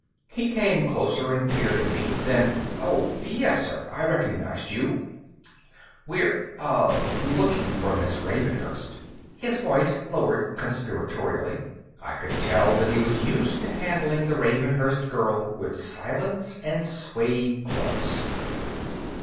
He came closer and peered at me. Then: "Oh, yes, sir; I recognize you. We're ... uh " He waved an arm around. "Uh ... looking for Miss Ravenhurst." His voice lowered conspiratorially. I could tell that he was used to handling the Ravenhurst girl with silence and suede gloves.